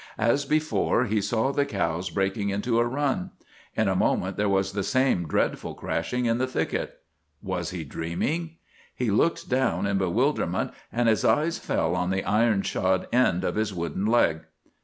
As before, he saw the cows breaking into a run. In a moment there was the same dreadful crashing in the thicket. Was he dreaming? He looked down in bewilderment, and his eyes fell on the iron shod end of his wooden leg!